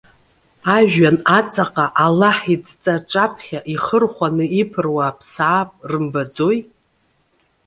Ажәҩан аҵаҟа Аллаҳ идҵа аҿаԥхьа ихырхәаны иԥыруа аԥсаатә рымбаӡои?